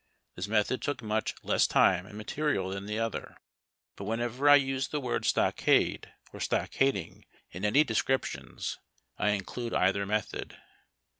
This method took much less time and material tlian the other. But whenever I use the word stockade or stockading in any descri})tions T include either method.